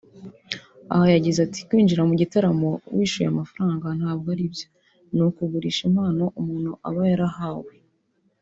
Aha yagize ati “Kwinjira mu gitaramo wishuye amafaranga ntabwo aribyo ni ukugurisha impano umuntu aba yarahawe